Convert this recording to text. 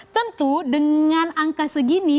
tentu dengan angka segini